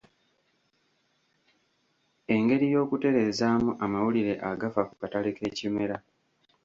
Engeri y’okutereezaamu amawulire agafa ku katale k’ekimera.